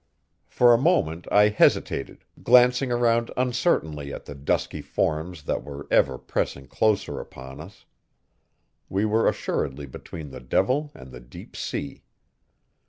For a moment I hesitated, glancing round uncertainly at the dusky forms that were ever pressing closer upon us. We were assuredly between the devil and the deep sea.